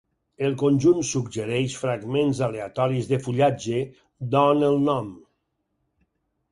El conjunt suggereix fragments aleatoris de fullatge, d'on el nom.